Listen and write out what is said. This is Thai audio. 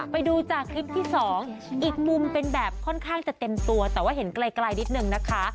ไปดูจากคลิปที่๒อีกมุมเป็นแบบค่อนข้างจะเต็มตัวแต่ว่าเห็นไกลนิดนึงนะคะ